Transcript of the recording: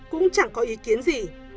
cũng chẳng có ý kiến gì